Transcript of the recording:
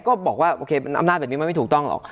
ก็บอกว่าอัมนาจแบบนี้มันไม่ถูกต้องหรอก